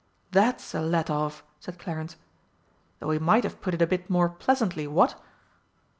"That's a let off!" said Clarence, "though he might have put it a bit more pleasantly, what?"